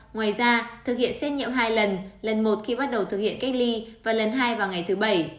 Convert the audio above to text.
ngoài ra thực hiện xét nghiệm hai lần lần một khi bắt đầu thực hiện cách ly và lần hai vào ngày thứ bảy